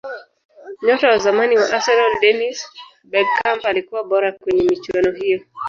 nyota wa zamani wa arsenal dennis bergkamp alikuwa bora kwenye michuano hiyo